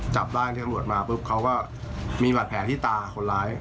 จับร่างที่ตำรวจมาปุ๊บเขาก็มีบาดแผลที่ตาคนร้าย